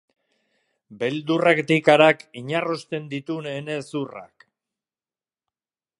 Beldurrak eta ikarak inarrosten ditu ene hezurrak.